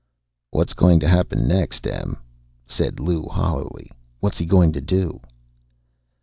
"What's going to happen next, Em?" said Lou hollowly. "What's he going to do?"